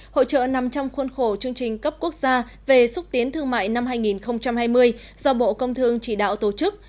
hội trợ nằm trong khuôn khổ chương trình cấp quốc gia về xúc tiến thương mại năm hai nghìn hai mươi do bộ công thương chỉ đạo tổ chức